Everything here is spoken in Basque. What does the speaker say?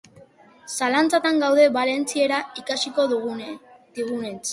Zalantzatan gaude valentziera ikasiko dugunentz.